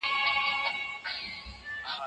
هلکانو ته خوندي چاپېریال برابرول اړین دي.